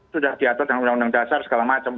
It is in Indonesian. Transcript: sudah diatur dengan undang undang dasar segala macam